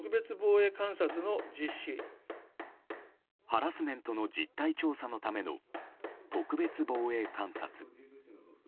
ハラスメントの実態調査のための特別防衛監察。